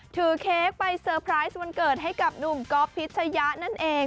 ถือเคคไปเซอร์ไพรส์วันเกิดนุ่มก๊อบพิชยะนั่นเอง